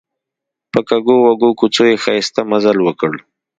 په کږو وږو کوڅو یې ښایسته مزل وکړ.